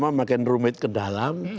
makin lama makin rumit ke dalam